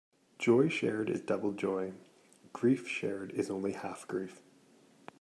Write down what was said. Joy shared is double joy; grief shared is only half grief.